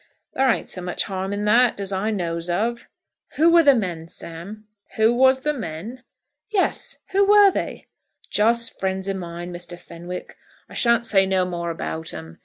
"There ain't so much harm in that, as I knows of." "Who were the men, Sam?" "Who was the men?" "Yes; who were they?" "Just friends of mine, Mr. Fenwick. I shan't say no more about 'em.